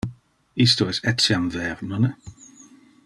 Isto es etiam ver, nonne?